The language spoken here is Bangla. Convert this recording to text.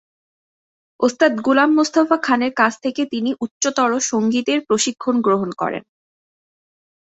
ওস্তাদ গুলাম মোস্তফা খান এর কাছ থেকে তিনি উচ্চতর সঙ্গীতের প্রশিক্ষণ গ্রহণ করেন।